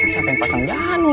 siapa yang pasang janur